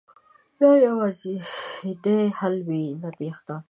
ښایي يوازېتوب یوازېنی حل وي، نه تېښته